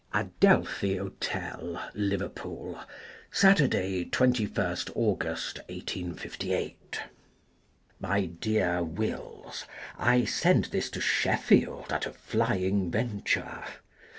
Adelphi Hotel, Liverpool, Saturday, Twenty first August, 1858. My Dear Wills :— I send this to Sheffield at a flying venture.